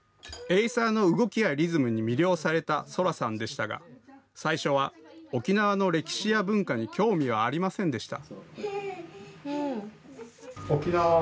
エイサーの動きやリズムに魅了された青空さんでしたが最初は沖縄の歴史や文化に興味はありませんでした。